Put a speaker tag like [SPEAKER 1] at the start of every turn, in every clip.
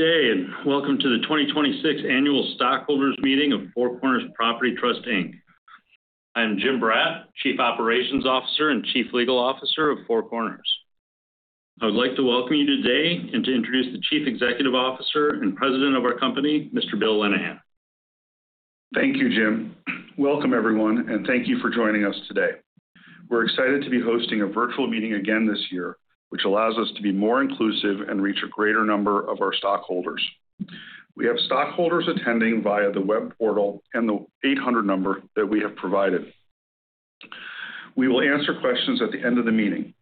[SPEAKER 1] Good day, welcome to the 2026 Annual Stockholders Meeting of Four Corners Property Trust, Inc. I'm Jim Brat, Chief Operations Officer and Chief Legal Officer of Four Corners. I would like to welcome you today and to introduce the Chief Executive Officer and President of our company, Mr. Bill Lenehan.
[SPEAKER 2] Thank you, Jim. Welcome everyone, and thank you for joining us today. We're excited to be hosting a virtual meeting again this year, which allows us to be more inclusive and reach a greater number of our stockholders. We have stockholders attending via the web portal and the 800 number that we have provided. We will answer questions at the end of the meeting.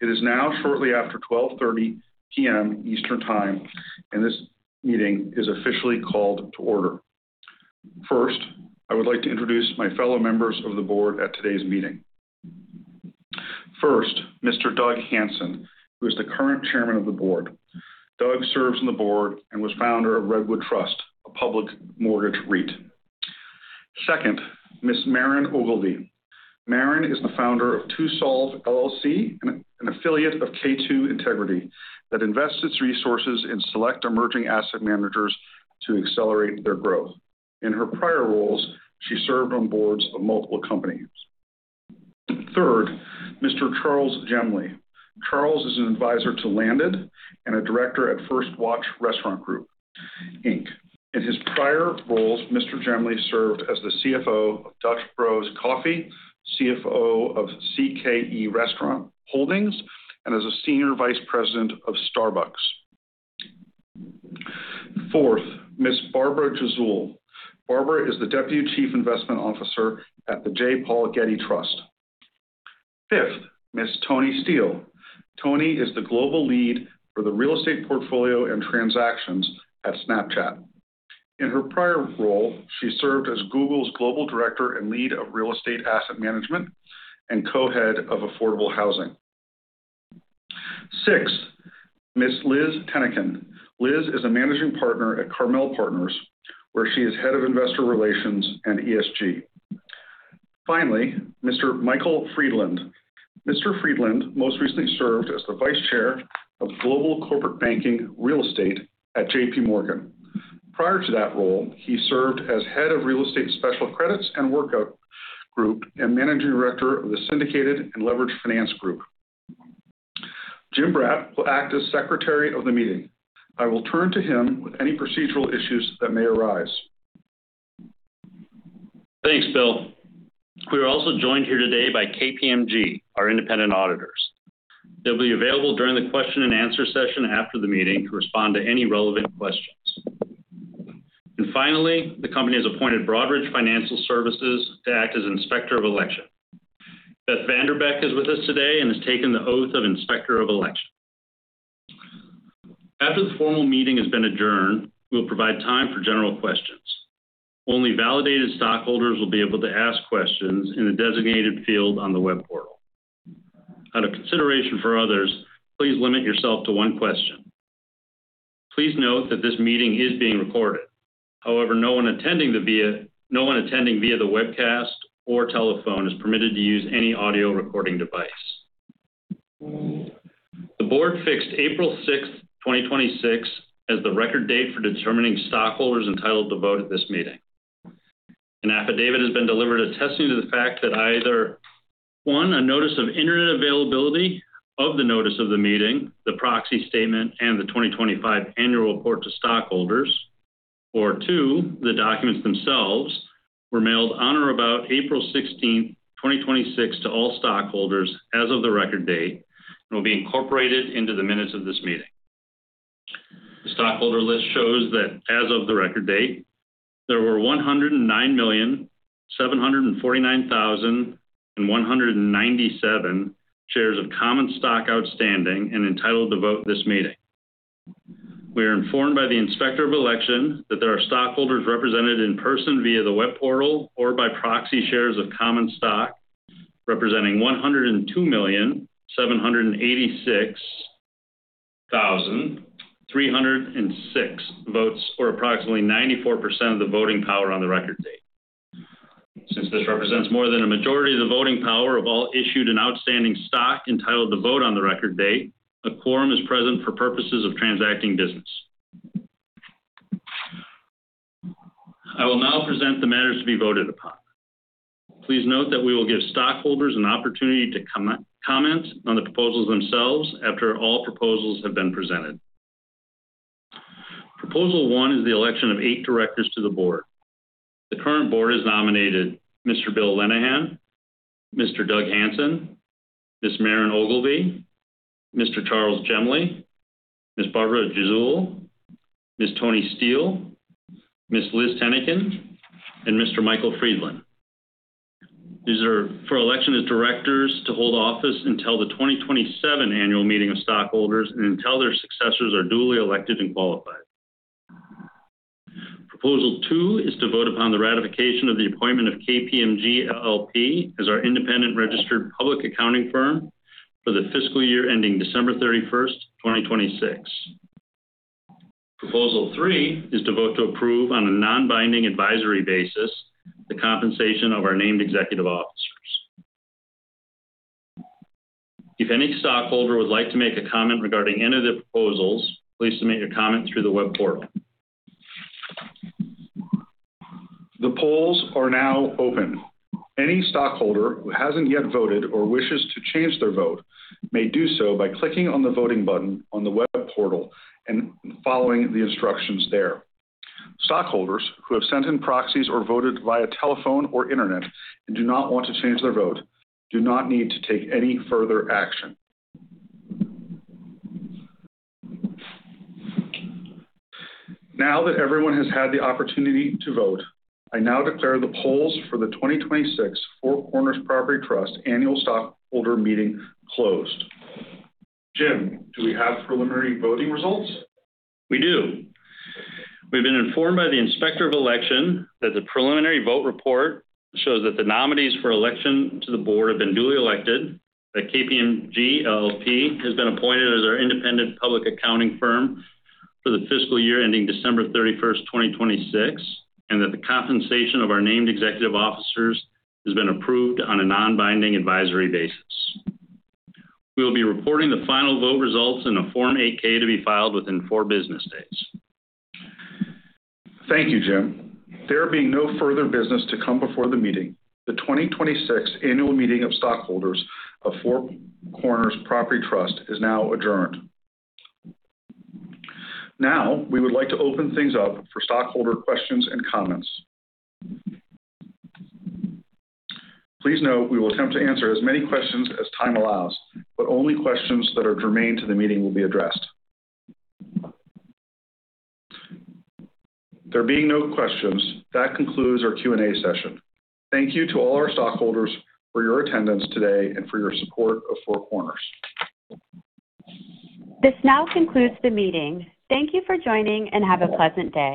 [SPEAKER 2] It is now shortly after 12:30 P.M. Eastern Time, and this meeting is officially called to order. First, I would like to introduce my fellow members of the board at today's meeting. First, Mr. Doug Hansen, who is the current chairman of the board. Doug serves on the board and was founder of Redwood Trust, a public mortgage REIT. Second, Ms. Marran Ogilvie. Marran is the founder of Two Solve LLC, an affiliate of K2 Integrity that invests its resources in select emerging asset managers to accelerate their growth. In her prior roles, she served on boards of multiple companies. Third, Mr. Charles Jemley. Charles is an advisor to Landed and a director at First Watch Restaurant Group, Inc. In his prior roles, Mr. Jemley served as the CFO of Dutch Bros Coffee, CFO of CKE Restaurants Holdings, and as a Senior Vice President of Starbucks. Fourth, Ms. Barbara Jesuele. Barbara is the Deputy Chief Investment Officer at the J. Paul Getty Trust. Fifth, Ms. Toni Steele. Toni is the global lead for the real estate portfolio and transactions at Snapchat. In her prior role, she served as Google's global director and lead of real estate asset management and co-head of affordable housing. Sixth, Ms. Liz Tennican. Liz is a managing partner at Carmel Partners, where she is head of investor relations and ESG. Finally, Mr. Michael Friedland. Mr. Friedland most recently served as the Vice Chair of global corporate banking real estate at JPMorgan. Prior to that role, he served as Head of Real Estate Special Credits and Workout Group, and Managing Director of the syndicated and leveraged finance group. Jim Brat will act as Secretary of the Meeting. I will turn to him with any procedural issues that may arise.
[SPEAKER 1] Thanks, Bill. We are also joined here today by KPMG, our independent auditors. They'll be available during the question and answer session after the meeting to respond to any relevant questions. Finally, the company has appointed Broadridge Financial Solutions to act as inspector of election. Beth VanDerbeck is with us today and has taken the oath of inspector of election. After the formal meeting has been adjourned, we'll provide time for general questions. Only validated stockholders will be able to ask questions in the designated field on the web portal. Out of consideration for others, please limit yourself to one question. Please note that this meeting is being recorded. However, no one attending via the webcast or telephone is permitted to use any audio recording device. The board fixed April 6th, 2026, as the record date for determining stockholders entitled to vote at this meeting. An affidavit has been delivered attesting to the fact that either, one, a notice of internet availability of the notice of the meeting, the proxy statement, and the 2025 annual report to stockholders, or two, the documents themselves were mailed on or about April 16th, 2026, to all stockholders as of the record date, and will be incorporated into the minutes of this meeting. The stockholder list shows that as of the record date, there were 109,749,197 shares of common stock outstanding and entitled to vote at this meeting. We are informed by the inspector of election that there are stockholders represented in person via the web portal or by proxy shares of common stock representing 102,786,306 votes, or approximately 94% of the voting power on the record date. Since this represents more than a majority of the voting power of all issued and outstanding stock entitled to vote on the record date, a quorum is present for purposes of transacting business. I will now present the matters to be voted upon. Please note that we will give stockholders an opportunity to comment on the proposals themselves after all proposals have been presented. Proposal one is the election of eight directors to the board. The current board has nominated Mr. Bill Lenehan, Mr. Douglas Hansen, Ms. Marran Ogilvie, Mr. Charles Jemley, Ms. Barbara Jesuele, Ms. Toni Steele, Ms. Liz Tennican, and Mr. Michael Friedland. These are for election as directors to hold office until the 2027 annual meeting of stockholders and until their successors are duly elected and qualified. Proposal two is to vote upon the ratification of the appointment of KPMG LLP as our independent registered public accounting firm for the fiscal year ending December 31st, 2026. Proposal three is to vote to approve on a non-binding advisory basis the compensation of our named executive officers. If any stockholder would like to make a comment regarding any of the proposals, please submit your comment through the web portal.
[SPEAKER 2] The polls are now open. Any stockholder who hasn't yet voted or wishes to change their vote may do so by clicking on the voting button on the web portal and following the instructions there. Stockholders who have sent in proxies or voted via telephone or internet and do not want to change their vote do not need to take any further action. Now that everyone has had the opportunity to vote, I now declare the polls for the 2026 Four Corners Property Trust annual stockholder meeting closed. Jim, do we have preliminary voting results?
[SPEAKER 1] We do. We've been informed by the Inspector of Election that the preliminary vote report shows that the nominees for election to the board have been duly elected, that KPMG LLP has been appointed as our independent public accounting firm for the fiscal year ending December 31st, 2026, and that the compensation of our named executive officers has been approved on a non-binding advisory basis. We will be reporting the final vote results in a Form 8-K to be filed within four business days.
[SPEAKER 2] Thank you, Jim. There being no further business to come before the meeting, the 2026 annual meeting of stockholders of Four Corners Property Trust is now adjourned. Now, we would like to open things up for stockholder questions and comments. Please note we will attempt to answer as many questions as time allows, but only questions that are germane to the meeting will be addressed. There being no questions, that concludes our Q&A session. Thank you to all our stockholders for your attendance today and for your support of Four Corners.
[SPEAKER 1] This now concludes the meeting. Thank you for joining, and have a pleasant day.